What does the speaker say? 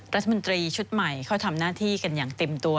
รัฐมนตรีชุดใหม่เข้าทำหน้าที่กันอย่างเต็มตัว